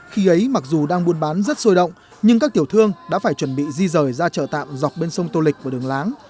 khi ấy mặc dù đang buôn bán rất sôi động nhưng các tiểu thương đã phải chuẩn bị di rời ra chợ tạm dọc bên sông tô lịch và đường láng